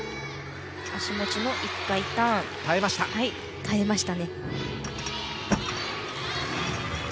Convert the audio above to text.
足持ちの１回ターン耐えました。